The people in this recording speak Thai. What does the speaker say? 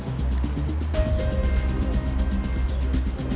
เมื่อเวลาที่สุดท้ายมันกลายเป้าหมายเป้าหมายเป็นสุดท้ายที่สุดท้าย